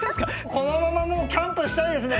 このままもうキャンプしたいですね